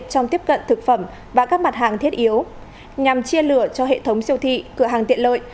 trong tiếp cận thực phẩm và các mặt hàng thiết yếu nhằm chia lửa cho hệ thống siêu thị cửa hàng tiện lợi